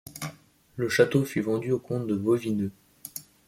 Le château fut vendu au comte de Vauvineux.